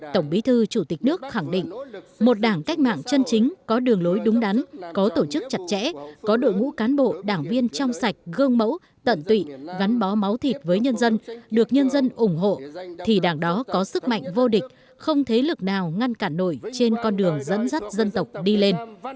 tổng bí thư chủ tịch nước khẳng định một đảng cách mạng chân chính có đường lối đúng đắn có tổ chức chặt chẽ có đội ngũ cán bộ đảng viên trong sạch gương mẫu tận tụy gắn bó máu thịt với nhân dân được nhân dân ủng hộ thì đảng đó có sức mạnh vô địch không thế lực nào ngăn cản nổi trên con đường dẫn dắt dân tộc đi lên